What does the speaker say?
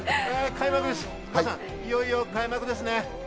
加藤さん、いよいよ開幕ですね。